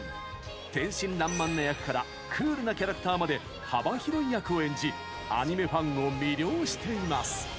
天真らんまんな役からクールなキャラクターまで幅広い役を演じアニメファンを魅了しています。